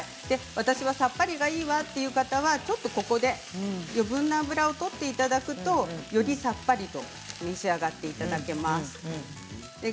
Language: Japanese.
私はさっぱりがいいわという方はここで余分な脂を取っていただくとよりさっぱりと召し上がっていただけます。